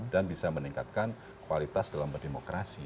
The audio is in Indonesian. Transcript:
dan bisa meningkatkan kualitas dalam berdemokrasi